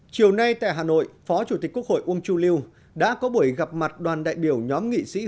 chủ tịch quốc hội uông chu lưu đã có buổi gặp mặt đoàn đại biểu nhóm nghị sĩ hút